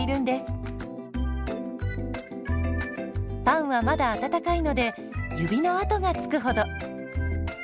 パンはまだ温かいので指の跡がつくほど。